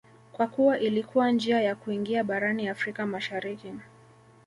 kwa kuwa ilikuwa njia ya kuingia barani Afrika Mashariki